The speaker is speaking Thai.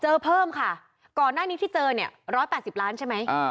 เพิ่มค่ะก่อนหน้านี้ที่เจอเนี่ย๑๘๐ล้านใช่ไหม